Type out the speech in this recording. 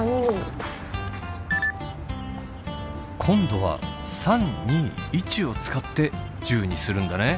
今度は３２１を使って１０にするんだね。